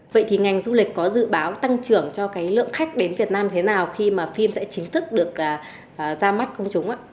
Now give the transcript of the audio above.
vậy thì ngành du lịch có dự báo tăng trưởng cho cái lượng khách đến việt nam thế nào khi mà phim sẽ chính thức được ra mắt công chúng ạ